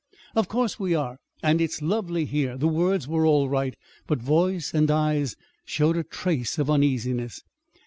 "Of course we are! And it is lovely here." The words were all right, but voice and eyes showed a trace of uneasiness.